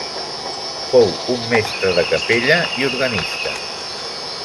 Fou un mestre de capella i organista.